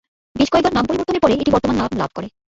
বেশ কয়েকবার নাম পরিবর্তনের পরে এটি বর্তমান নাম লাভ করে।